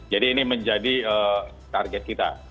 jadi ini menjadi target kita